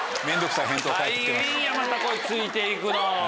大変やまたこれついて行くの。